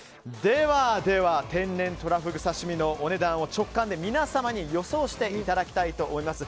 では天然とらふぐ刺身のお値段を直感で皆様に予想していただきたいと思います。